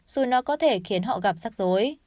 dù nó có thể khiến họ gặp rắc rối